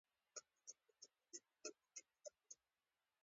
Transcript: امیر کروړ د امیر پولاد سوري زوی وو.